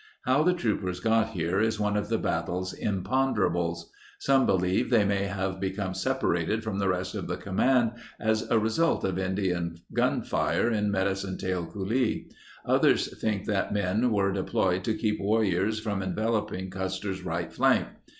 How the troopers got here is one of the battle's imponderables. Some believe they may have become separated from the rest of the command as a result of Indian gunfire in Medicine Tail Coulee. Oth ers think that the men were deployed to keep warriors from enveloping Custer's right flank.